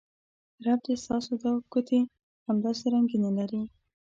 رب دې ستاسو دا ګوتې همداسې رنګینې لرې